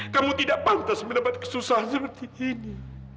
kamu tidak pantas mendapat kesusahan seperti ini